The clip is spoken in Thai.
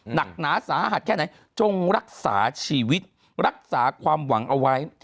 หนักหนาสาหัสแค่ไหนจงรักษาชีวิตรักษาความหวังเอาไว้